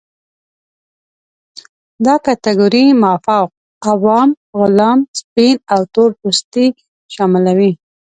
دا کټګورۍ مافوق، عوام، غلام، سپین او تور پوستې شاملوي.